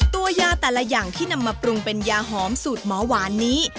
ตัวยาแต่ละอย่างที่นำมาปรุงเป็นยาหอมสูตรหมอหวานนี้